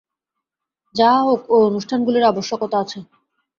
যাহা হউক, ঐ অনুষ্ঠানগুলির আবশ্যকতা আছে।